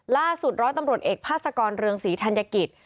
ล่าสุดร้อยตำรวจเอกภาษกรเรืองศรีธัญกิจ